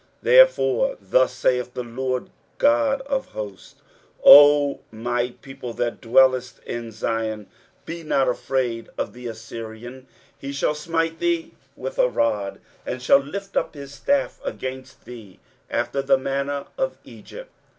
23:010:024 Therefore thus saith the Lord GOD of hosts, O my people that dwellest in Zion, be not afraid of the Assyrian: he shall smite thee with a rod, and shall lift up his staff against thee, after the manner of Egypt.